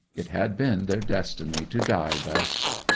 It had been their destiny to die thus.